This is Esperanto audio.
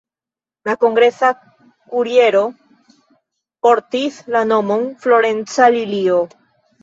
La kongresa kuriero portis la nomon "Florenca Lilio".